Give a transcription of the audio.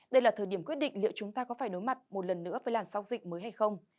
đây là thời điểm quyết định liệu chúng ta có phải đối mặt một lần nữa với làn sóng dịch mới hay không